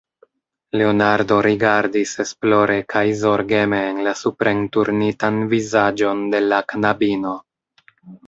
Leonardo rigardis esplore kaj zorgeme en la suprenturnitan vizaĝon de la knabino.